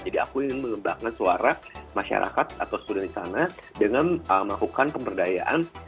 jadi aku ingin mengembangkan suara masyarakat atau student di sana dengan melakukan pemberdayaan